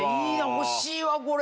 欲しいわこれ。